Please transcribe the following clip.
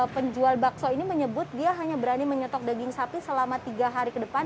penjual bakso ini menyebut dia hanya berani menyetok daging sapi selama tiga hari ke depan